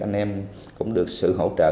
anh em cũng được sự hỗ trợ